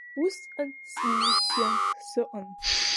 Усҟан смилициан сыҟан.